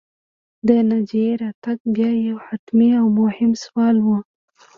د ناجيې راتګ بیا یو حتمي او مهم سوال و